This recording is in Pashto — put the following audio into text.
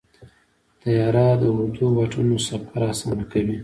طیاره د اوږدو واټنونو سفر اسانه کوي.